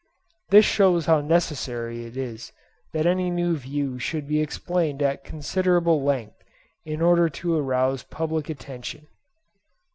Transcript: This shows how necessary it is that any new view should be explained at considerable length in order to arouse public attention.